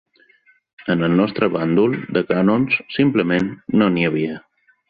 En el nostre bàndol, de canons, simplement, no n'hi havia.